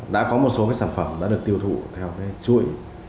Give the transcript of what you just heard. đã có một số sản phẩm đã được tiêu thụ theo chuỗi